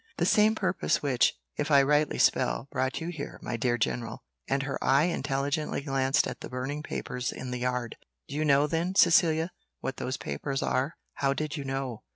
"The same purpose which, if I rightly spell, brought you here, my dear general," and her eye intelligently glanced at the burning papers in the yard. "Do you know then, Cecilia, what those papers are? How did you know?"